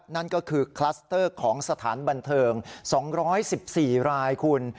นั่นก็คือคลัสเตอร์ของสถานบันเทิง๒๑๔รายคุณ